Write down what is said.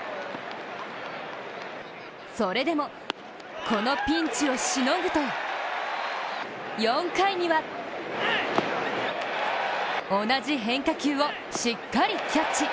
それでも、このピンチをしのぐと、４回には同じ変化球をしっかりキャッチ。